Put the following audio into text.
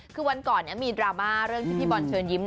คือวันก่อนนี้มีดราม่าเรื่องที่พี่บอลเชิญยิ้ม